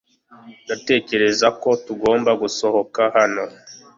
Ndatekereza ko tugomba gusohoka hano .